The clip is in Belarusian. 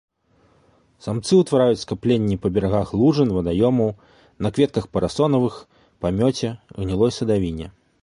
Самцы ўтвараюць скапленні па берагах лужын, вадаёмаў, на кветках парасонавых, памёце, гнілой садавіне.